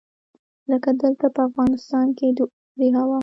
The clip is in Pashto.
لکه دلته په افغانستان کې د اوړي هوا.